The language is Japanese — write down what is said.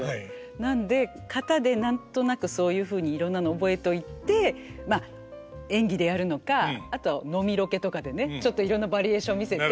なので型で何となくそういうふうにいろんなの覚えといてまあ演技でやるのかあと飲みロケとかでねちょっといろんなバリエーション見せて。